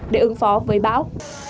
để ứng phó với bão